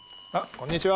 こんにちは。